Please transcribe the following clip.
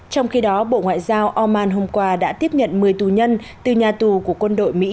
trong khi đó bộ ngoại giao oman hôm qua đã tiếp nhận một mươi tù nhân từ nhà tù của quân đội mỹ